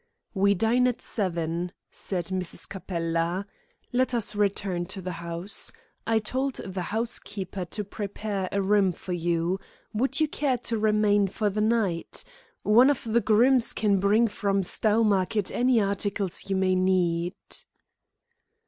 "We dine at seven," said Mrs. Capella. "Let us return to the house. I told the housekeeper to prepare a room for you. Would you care to remain for the night? One of the grooms can bring from Stowmarket any articles you may need."